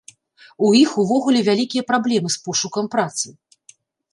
У іх увогуле вялікія праблемы з пошукам працы.